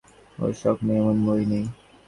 ওঁর শখ নেই এমন বই নেই।